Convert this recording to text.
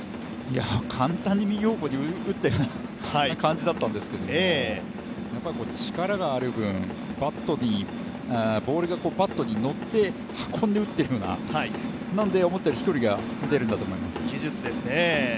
簡単に右方向に打った感じなんですが、力がある分、ボールがバットに乗って運んで打ってるようななんで思ったより飛距離が出るんだと思います。